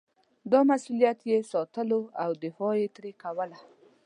دا مسووليت یې ساتلو او دفاع یې ترې کوله.